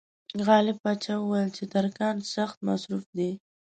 غالب پاشا وویل چې ترکان سخت مصروف دي.